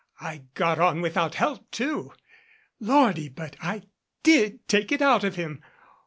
I got on without help, too. Lordy, but I did take it out of him